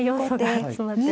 はい。